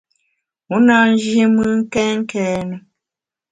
U na nji mùn kèn kène.